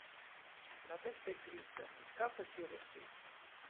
La testa è grigia, il capo è più rossiccio.